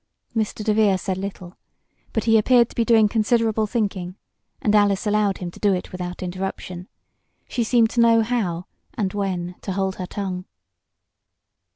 Mr. DeVere said little, but he appeared to be doing considerable thinking and Alice allowed him to do it without interruption. She seemed to know how, and when, to hold her tongue.